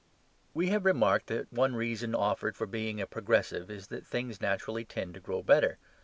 We have remarked that one reason offered for being a progressive is that things naturally tend to grow better.